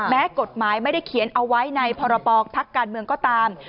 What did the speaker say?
แม้กฎหมายไม่ได้เขียนเอาไว้ในพรปภักดิ์การเมืองก็ตาม